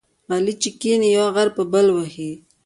علي چې کېني، یو غر په بل وهي.